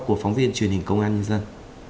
của phóng viên truyền hình công an nhân dân